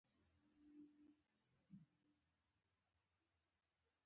په هر صورت استاد د ژوند بار له اوږو وغورځاوه.